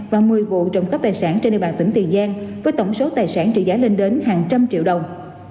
và một mươi vụ trộm cắp tài sản trên địa bàn tỉnh tiền giang với tổng số tài sản trị giá lên đến hàng trăm triệu đồng